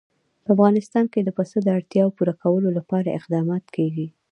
په افغانستان کې د پسه د اړتیاوو پوره کولو لپاره اقدامات کېږي.